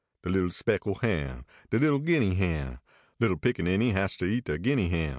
De little speckle hen, De little Guinea hen, Little pickaninny has ter eat de Guinea hen.